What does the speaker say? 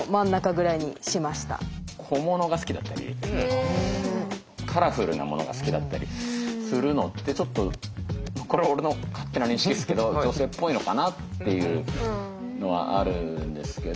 小物が好きだったりカラフルなものが好きだったりするのってこれは俺の勝手な認識ですけど女性っぽいのかなっていうのはあるんですけど。